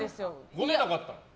ごねなかったの？